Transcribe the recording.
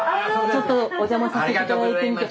ちょっとお邪魔させて頂いていて。